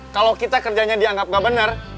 kalau kita kerjanya dianggap gak bener